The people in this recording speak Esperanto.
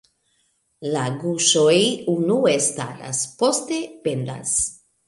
La guŝoj unue staras, poste pendas.